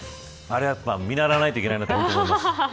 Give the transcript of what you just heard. あれはやっぱ、見習わないといけないなと思います。